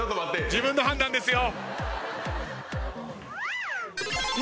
自分の判断ですよ。